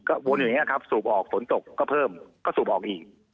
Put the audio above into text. ก็วนอยู่อย่างนี้ครับสูบออกฝนตกก็เพิ่มก็สูบออกอีก